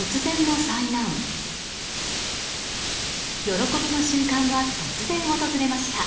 喜びの瞬間は突然、訪れました。